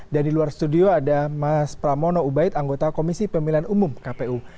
dan di luar studio ada mas pramono ubaid anggota komisi pemilihan umum kpu